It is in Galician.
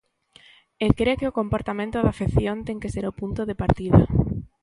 E cre que o comportamento da afección ten que ser o punto de partida.